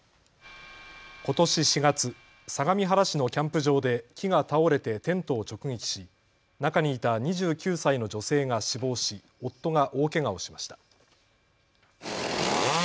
ことし４月、相模原市のキャンプ場で木が倒れてテントを直撃し中にいた２９歳の女性が死亡し夫が大けがをしました。